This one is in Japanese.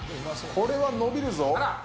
これは伸びるぞ。